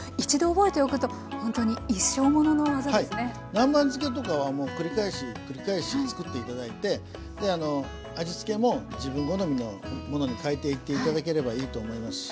南蛮漬けとかはもう繰り返し繰り返し作っていただいて味付けも自分好みのものに変えていっていただければいいと思いますし